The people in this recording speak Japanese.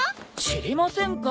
知りませんか？